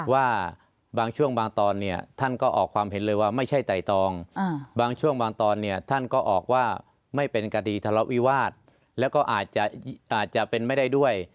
ว่าบางช่วงบางตอนเนี่ยท่านก็ออกความเห็นเลยว่าไม่ใช่ไต่ตองบางช่วงบางตอนเนี่ยท่านก็ออกว่าไม่เป็นคดีทะเลาะวิวาสแล้วก็อาจจะเป็นไม่ได้ด้วย